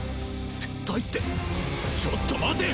撤退ってちょっと待て！